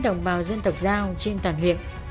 đồng bào dân tộc giao trên toàn huyện